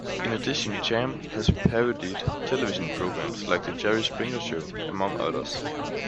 In addition, Cham has parodied television programs like "The Jerry Springer Show," among others.